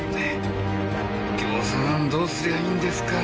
右京さんどうすりゃいいんですか？